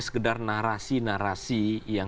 sekedar narasi narasi yang